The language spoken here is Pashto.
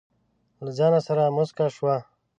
له ځانه سره موسکه شوه.